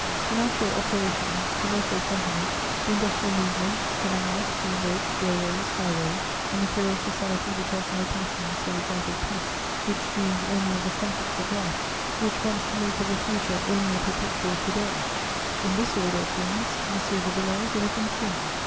Financial operations, commercial companies, the industrial movement, canals, steamboats, railways, high roads, a material society which has no passion save that of peace, which dreams only of the comforts of life, which wants to make of the future only a perpetual to day: in this order of things, M. de Villèle would have been king.